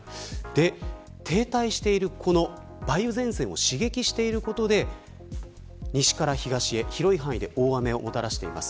停滞している、この梅雨前線を刺激していることで西から東へ広い範囲で大雨をもたらしています。